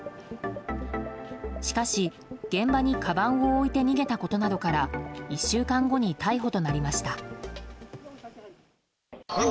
しかし、現場にかばんを置いて逃げたことなどから１週間後に逮捕となりました。